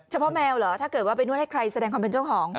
แมวเหรอถ้าเกิดว่าไปนวดให้ใครแสดงความเป็นเจ้าของ